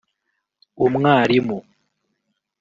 umwarimu